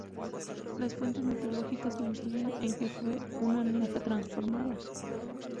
Las fuentes mitológicas coinciden en que fue una ninfa transformada.